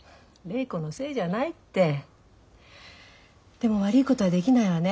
でも悪いことはできないわね。